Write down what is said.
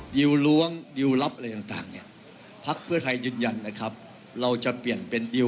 ดิวร่วงดิวรับอะไรต่างเนี่ย